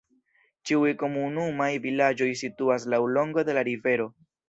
Ĉiuj komunumaj vilaĝoj situas laŭlonge de la rivero.